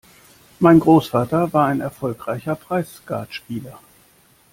Mein Großvater war ein erfolgreicher Preisskatspieler.